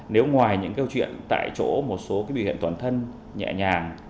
nếu ngoài những câu chuyện tại chỗ một số biểu hiện toàn thân nhẹ nhàng